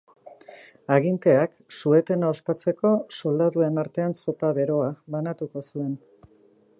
Aginteak, su-etena ospatzeko, soldaduen artean zopa beroa banatuko zuen.